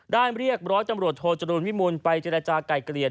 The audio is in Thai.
เรียกร้อยตำรวจโทจรูลวิมูลไปเจรจาไก่เกลี่ย